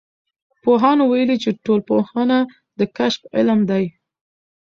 پوهانو ویلي چې ټولنپوهنه د کشف علم دی.